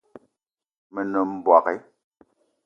Me nem mbogue